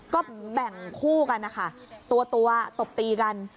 ก็แบ่งคู่กันนะคะตัวตบตีกัน